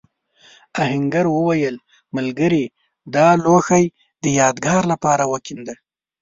آهنګر وویل ملګري دا لوښی د یادگار لپاره وکېنده.